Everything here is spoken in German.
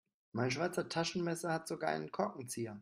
Mein Schweizer Taschenmesser hat sogar einen Korkenzieher.